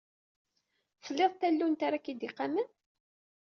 Tlid tallunt ara k-id-iqamen?